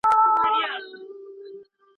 موږ به دا ناوړه دودونه له منځه يوسو.